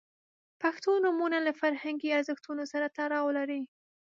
• پښتو نومونه له فرهنګي ارزښتونو سره تړاو لري.